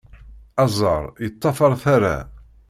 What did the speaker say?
Aẓar yeṭṭafar tara.